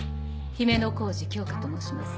姫小路鏡花と申します。